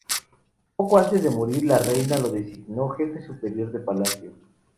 Poco antes de morir, la Reina lo designó Jefe Superior de Palacio.